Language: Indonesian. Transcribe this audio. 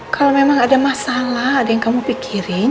kalau memang ada masalah ada yang kamu pikirin